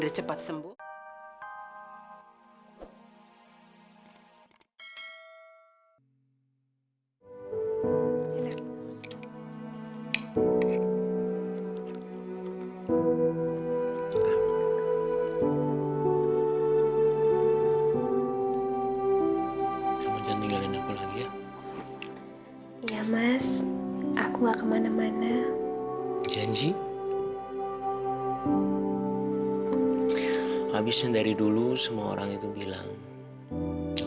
sampai jumpa di video selanjutnya